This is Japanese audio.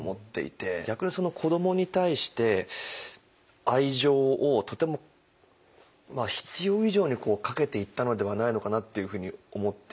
逆に子どもに対して愛情をとても必要以上にかけていったのではないのかなっていうふうに思って見てました。